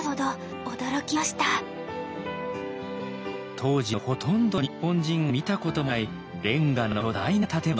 当時のほとんどの日本人が見たこともないレンガの巨大な建物。